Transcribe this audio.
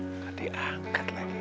nggak diangkat lagi